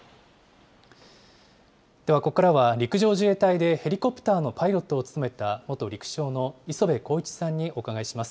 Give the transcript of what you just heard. では、ここからは陸上自衛隊でヘリコプターのパイロットを務めた元陸将の磯部晃一さんにお伺いします。